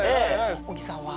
小木さんは？